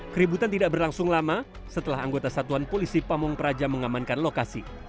keributan tidak berlangsung lama setelah anggota satuan polisi pamung praja mengamankan lokasi